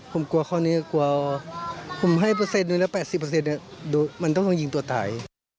ผมกลัวข้อนี้กลัวผมให้เปอร์เซ็นต์ละ๘๐มันต้องยิงตัวตาย